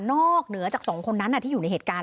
เหนือจากสองคนนั้นที่อยู่ในเหตุการณ์